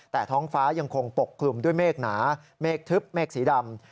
แต่ท้องฟ้ายังคงปกคลุมด้วยเมฆหนาเมฆทึบเมฆสีดำ